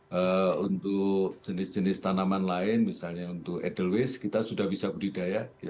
nah untuk jenis jenis tanaman lain misalnya untuk edelweiss kita sudah bisa budidaya